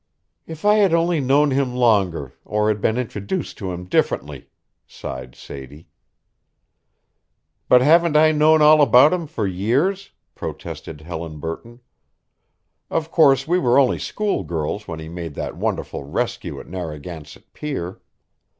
"If I had only known him longer, or had been introduced to him differently," sighed Sadie. "But haven't I known all about him for years?" protested Helen Burton. "Of course, we were only school girls when he made that wonderful rescue at Narragansett Pier.